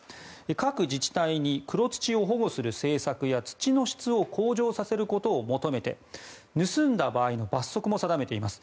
各自治体に黒土を保護する政策や土の質を向上させることを求めて盗んだ場合の罰則も定めています。